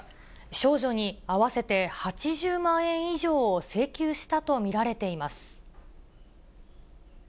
少女に合わせて８０万円以上を請求したと見られています。